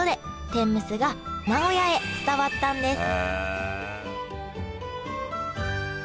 天むすが名古屋へ伝わったんです